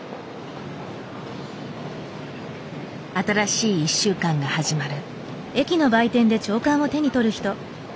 新しい１週間が始まる。